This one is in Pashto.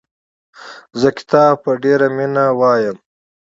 زه کتاب په ډېره مینه لولم.